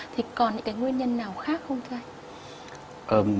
thì còn những cái nguyên nhân nào khác không thưa anh